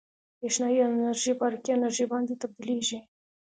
برېښنايي انرژي په حرکي انرژي باندې تبدیلیږي.